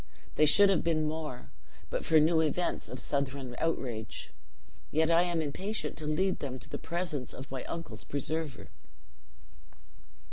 They should have been more, but for new events of Southron outrage. Yet I am impatient to lead them to the presence of my uncle's preserver."